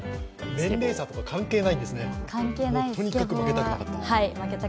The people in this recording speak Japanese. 年齢差とか関係ないんですね、とにかく負けたくなかったと。